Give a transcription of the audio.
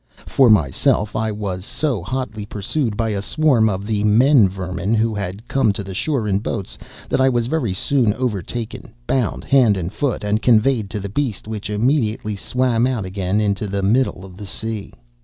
"'For myself, I was so hotly pursued by a swarm of the men vermin (who had come to the shore in boats) that I was very soon overtaken, bound hand and foot, and conveyed to the beast, which immediately swam out again into the middle of the sea.